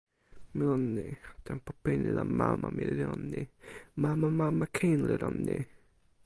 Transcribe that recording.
mi lon ni. tenpo pini la mama mi li lon ni. mama mama kin li lon ni.